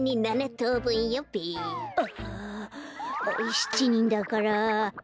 ７にんだから。